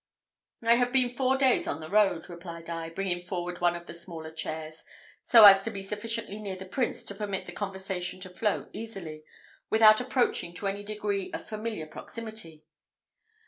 "I have been four days on the road," replied I, bringing forward one of the smaller chairs, so as to be sufficiently near the prince to permit the conversation to flow easily, without approaching to any degree of familiar proximity.